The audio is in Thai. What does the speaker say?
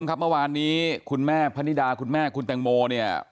ครับเมื่อวานนี้คุณแม่พนิดาคุณแม่คุณแตงโมเนี่ย